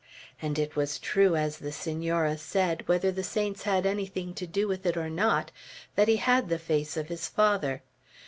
And it was true, as the Senora said, whether the saints had anything to do with it or not, that he had the face of his father.